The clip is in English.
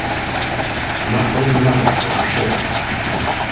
Do not blame the mother for her share..